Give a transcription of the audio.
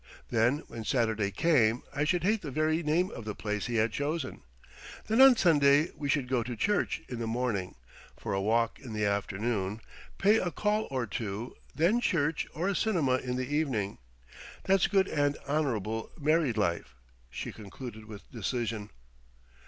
Then when Saturday came I should hate the very name of the place he had chosen. Then on Sunday we should go to church in the morning, for a walk in the afternoon, pay a call or two, then church or a cinema in the evening. That's good and honourable married life," she concluded with decision.